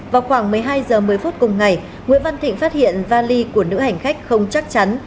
vào khoảng một mươi hai h một mươi phút cùng ngày nguyễn văn thịnh phát hiện vali của nữ hành khách không chắc chắn